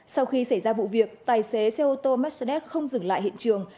sau khi xảy ra vụ việc tài xế xe ô tô mercedes không dừng lại hiện trường